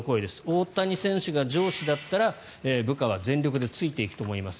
大谷選手が上司だったら部下は全力でついていくと思います。